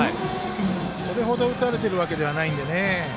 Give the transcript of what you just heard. それほど打たれているわけではないので。